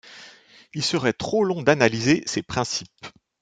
Il serait trop long d’analyser ses principes.